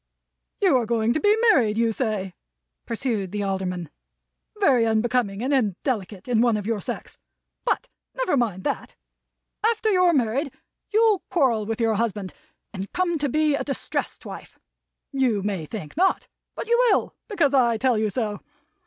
"You are going to be married, you say," pursued the Alderman. "Very unbecoming and indelicate in one of your sex! But never mind that. After you're married, you'll quarrel with your husband, and come to be a distressed wife. You may think not; but you will, because I tell you so.